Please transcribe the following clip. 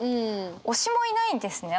推しもいないんですね。